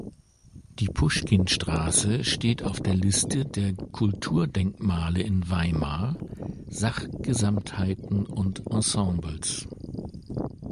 Die Puschkinstraße steht auf der Liste der Kulturdenkmale in Weimar (Sachgesamtheiten und Ensembles).